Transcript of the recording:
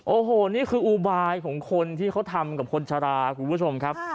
โอ้โหนี่คืออุบายของคนที่เขาทำกับคนชะลาคุณผู้ชมครับ